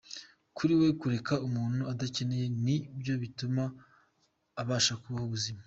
Kuri we kureka umuntu adakeneye ni byo bituma abasha kubaho ubuzima.